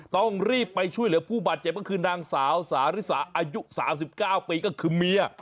ต้องรีบไปช่วยเหลือผู้บาดเจ็บก็คือนางสาวสาริสาอายุ๓๙ปีก็คือเมีย